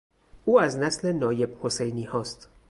او از نسل نایب حسینیهاست.